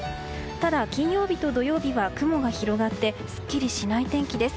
ただ、金曜日と土曜日は雲が広がってすっきりしない天気です。